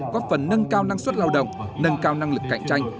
góp phần nâng cao năng suất lao động nâng cao năng lực cạnh tranh